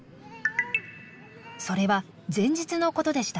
それは前日のことでした。